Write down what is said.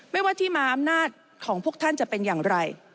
ว่าที่มาอำนาจของพวกท่านจะเป็นอย่างไร